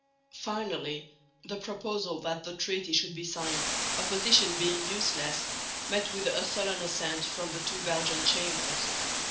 Finally the proposal that the treaty should be signed, opposition being useless, met with a sullen assent from the two Belgian Chambers.